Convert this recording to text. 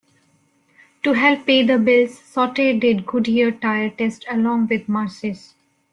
To help pay the bills, Sauter did Goodyear tire tests along with Marcis.